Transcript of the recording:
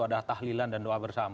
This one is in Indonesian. adalah tahlilan dan doa bersama